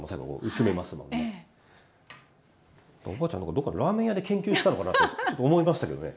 どっかのラーメン屋で研究したのかなってちょっと思いましたけどね。